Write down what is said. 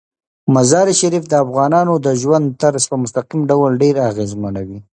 مزارشریف د افغانانو د ژوند طرز په مستقیم ډول ډیر اغېزمنوي.